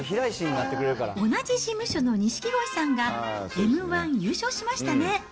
同じ事務所の錦鯉さんが、Ｍー１優勝しましたね。